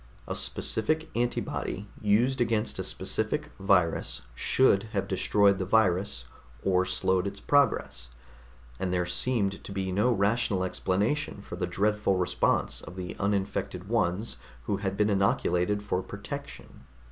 A specific antibody used against a specific virus should have destroyed the virus or slowed its progress, and there seemed to be no rational explanation for the dreadful response of the uninfected ones who had been inoculated for protection.